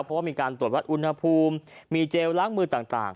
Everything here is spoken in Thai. เพราะว่ามีการตรวจวัดอุณหภูมิมีเจลล้างมือต่าง